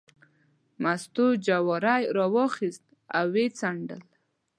مستو جواری راواخیست او یې څنډل.